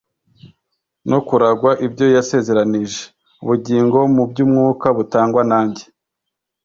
no kuragwa ibyo yasezeranije. Ubugingo mu by'umwuka butangwa nanjye.